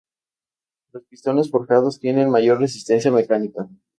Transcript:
Los pistones forjados tienen mayor resistencia mecánica.